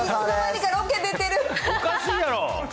おかしいやろ。